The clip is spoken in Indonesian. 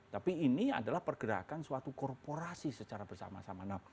tapi ini adalah pergerakan suatu korporasi secara bersama sama